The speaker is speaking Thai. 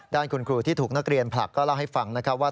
คุณครูที่ถูกนักเรียนผลักก็เล่าให้ฟังนะครับว่า